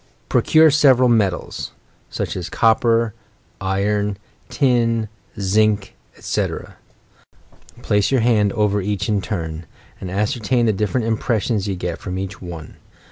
Procure several metals, — snch as copper, iron, tin, zinc, etc. Place your hands over each in turn, and as certain the different impressions you get from each one.